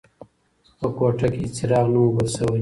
په کوټه کې هیڅ څراغ نه و بل شوی.